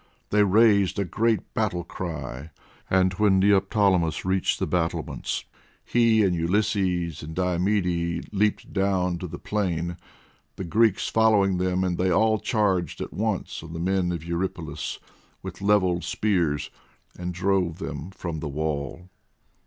They raised a great battle cry, and, when Neoptolemus reached the battlements, he and Ulysses, and Diomede leaped down to the plain, the Greeks following them, and they all charged at once on the men of Eurypylus, with levelled spears, and drove them from the wall.